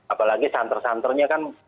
apalagi santer santernya kan